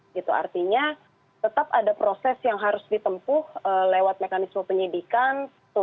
gitu artinya tetap ada proses yang harus ditempuh lewat mekanisme penyidikan